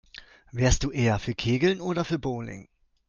Wärst du eher für Kegeln oder für Bowling?